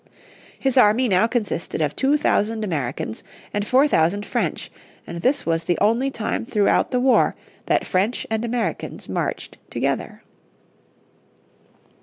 His army now consisted of two thousand Americans, and four thousand French, and this was the only time throughout the war that French and Americans marched together.